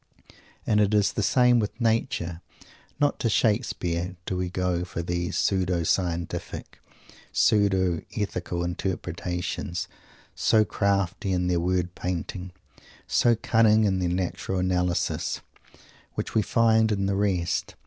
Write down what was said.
And it is the same with Nature. Not to Shakespeare do we go for those pseudo scientific, pseudo ethical interpretations, so crafty in their word painting, so cunning in their rational analysis, which we find in the rest.